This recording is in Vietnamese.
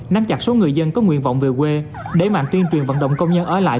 năm chặt số người dân có nguyện vọng về quê đẩy mạnh tuyên truyền vận động công nhân ở lại